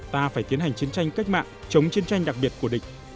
ta phải tiến hành chiến tranh cách mạng chống chiến tranh đặc biệt của địch